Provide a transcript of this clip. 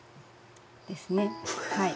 ですねはい。